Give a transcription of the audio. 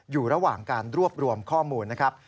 อยู่ระหว่างการรวบรวมข้อมูลนะครับ